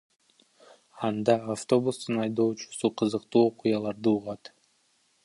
Анда автобустун айдоочусу кызыктуу окуяларды угат.